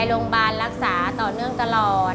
รักษาต่อเนื่องตลอด